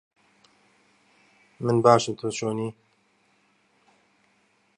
پێم وانییە بتوانیت ئەوە ڕوون بکەیتەوە.